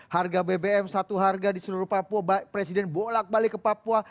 harga bbm satu harga di seluruh papua presiden bolak balik ke papua